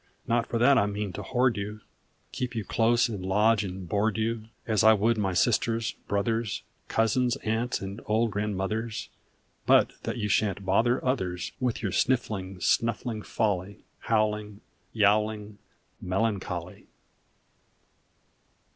Not for that I mean to hoard you, Keep you close and lodge and board you, As I would my sisters, brothers, Cousins, aunts, and old grandmothers, But that you shan t bother others With your sniffling, snuffling folly, Howling, Yowling, Melancholy